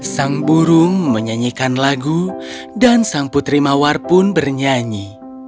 sang burung menyanyikan lagu dan sang putri mawar pun bernyanyi